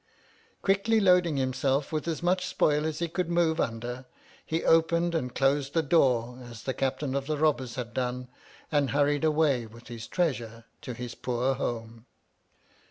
Quickly loading him self with as much spoil as he could move under, he opened and closed the door as the Captain of the Robbers had done, and hurried away with his treasure to his poor home.